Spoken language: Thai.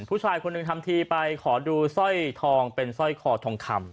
ผู้ชายคนหนึ่งทำทีไปขอดูสร้อยทองเป็นสร้อยคอทองคำ